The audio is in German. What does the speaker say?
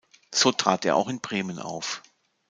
So trat er auch in Bremen auf.